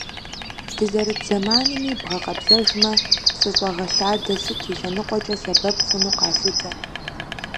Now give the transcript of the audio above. Дызэрыт зэманми бгъэкъэбзэжмэ, псыщӏэгъэлъадэ сыт и лъэныкъуэкӏэ сэбэп хъуну къалъытэ.